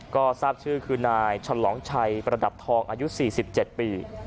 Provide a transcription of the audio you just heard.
ก็ทราบชื่อคือนายฉลองชัยประดับทองอายุ๔๗ปี